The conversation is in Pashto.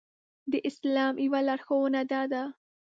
د اسلام يوه لارښوونه دا ده.